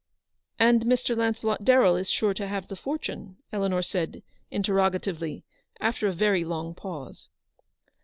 " And Mr. Launcelot Darrell is sure to have the fortune ?" Eleanor said, interrogatively, after a very long pause.